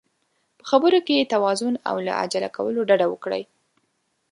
په خبرو کې توازن او له عجله کولو ډډه وکړئ.